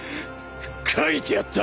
書いてあった。